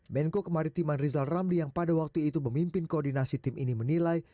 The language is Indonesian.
menko kemaritiman rizal ramli yang pada waktu itu memimpin koordinasi tim ini menilai